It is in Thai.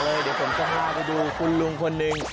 เดี๋ยวผมจะพาไปดูคุณลุงคนหนึ่ง